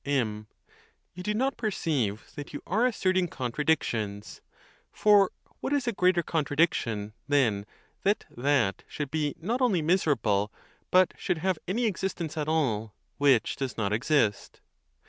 M. You do not perceive that you are asserting contra dictions; for what is a greater contradiction, than that that should be not only miserable, but should have any existence at all, which does not exist?